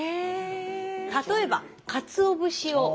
例えばかつおぶしを。